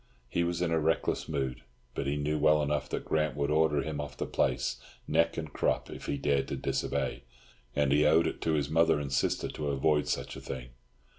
He was in a reckless mood, but he knew well enough that Grant would order him off the place, neck and crop, if he dared to disobey; and he owed it to his mother and sister to avoid such a thing.